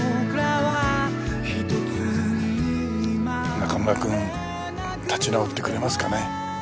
中村くん立ち直ってくれますかね？